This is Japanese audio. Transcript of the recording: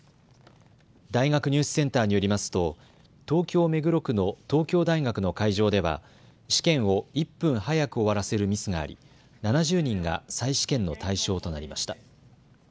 大学入試センターによりますと東京目黒区の東京大学の会場では試験を１分早く終わらせるミスがあり、７０人が再試験の対象となりました。